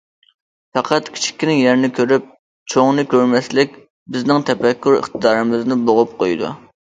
پەقەت كىچىككىنە يەرنى كۆرۈپ، چوڭىنى كۆرمەسلىك بىزنىڭ تەپەككۇر ئىقتىدارىمىزنى بوغۇپ قويىدۇ.